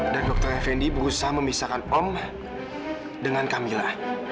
dan dokter effendi berusaha memisahkan saya dengan kamila